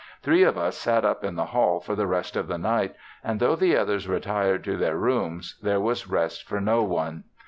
Three of us sat up in the hall for the rest of the night, and though the others retired to their rooms there was rest for no one.